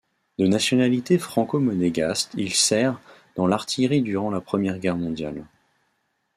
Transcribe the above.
De nationalité franco-monégasque, il sert dans l'artillerie durant la Première Guerre mondiale.